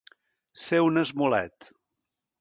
Ser un esmolet.